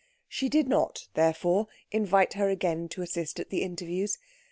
She did not, therefore, invite her again to assist at the interviews.